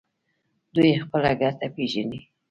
دوی خپله ګټه پیژني.